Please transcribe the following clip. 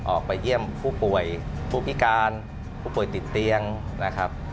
ออกไปเยี่ยมผู้ป่วยผู้พิการผู้ป่วยติดเตียงนะครับ